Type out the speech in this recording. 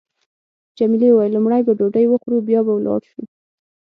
جميلې وويل: لومړی به ډوډۍ وخورو بیا به ولاړ شو.